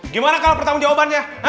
gimana kalau pertanggung jawabannya